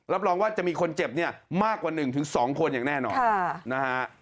รับรองว่าจะมีคนเจ็บมากกว่า๑๒คนอย่างแน่นอน